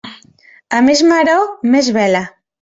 A més maror, més vela.